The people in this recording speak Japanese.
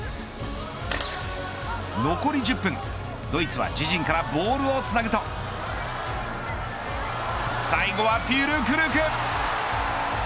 残り１０分、ドイツは自陣からボールをつなぐと最後はフュルクルク。